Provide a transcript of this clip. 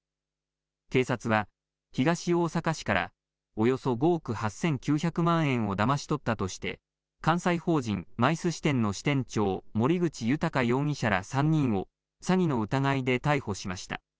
警察は東大阪市からおよそ５億８９００万円をだまし取ったとして関西法人ＭＩＣＥ支店の支店長森口裕容疑者ら３人を詐欺の疑いで逮捕しました。